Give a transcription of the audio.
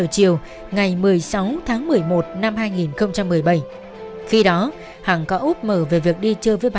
chị hằng là nhân viên phục vụ